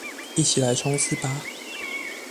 一起來衝刺吧